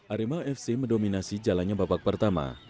arema fc mendominasi jalannya babak pertama